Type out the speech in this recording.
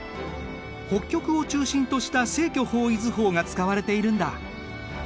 北極を中心とした正距方位図法が使われているんだ。